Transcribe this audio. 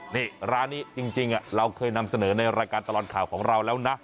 นี่ร้านนี้จริงเราเคยนำเสนอในรายการตลอดข่าวของเราแล้วนะ